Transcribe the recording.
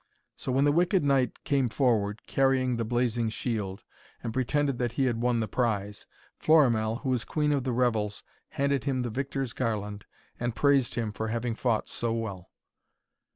So when the wicked knight came forward, carrying the blazing shield, and pretended that he had won the prize, Florimell, who was queen of the revels, handed him the victor's garland, and praised him for having fought so well.